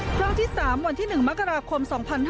ครั้งที่๓วันที่๑มกราคม๒๕๕๙